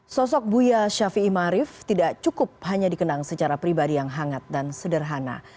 sosok buya shafi'i marif tidak cukup hanya dikenang secara pribadi yang hangat dan sederhana